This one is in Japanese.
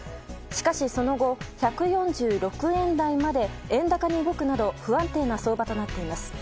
しかし、その後１４６円台まで円高に動くなど不安定な相場となっています。